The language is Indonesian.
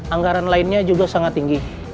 anggaran lainnya juga sangat tinggi